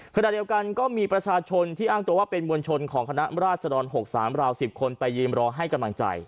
ขณะเดียวกันก็มีประชาชนที่อ้างตัวว่าเป็นมวลชนของคณะราชดร๖๓ราว๑๐คนไปยืนรอให้กำลังใจ